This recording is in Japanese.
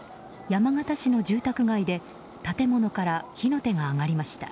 山形市の住宅街で建物から火の手が上がりました。